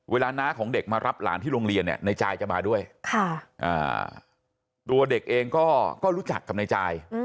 น้าของเด็กมารับหลานที่โรงเรียนเนี่ยในจายจะมาด้วยตัวเด็กเองก็รู้จักกับนายจาย